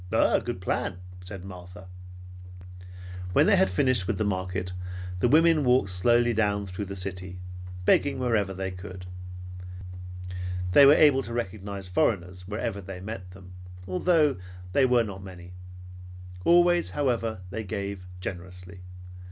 "A good plan," said Martha. When they had finished with the market, the women walked slowly down through the city, begging wherever they could. They were able to recognize foreigners wherever they met them, although they were not many. Always, however, they gave, and gave generously.